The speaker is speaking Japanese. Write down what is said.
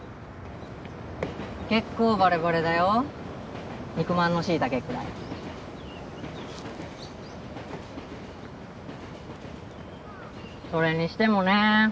結構バレバレだよ肉まんのしいたけぐらいそれにしてもねえ